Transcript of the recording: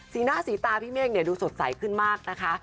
หน้าสีตาพี่เมฆดูสดใสขึ้นมากนะคะ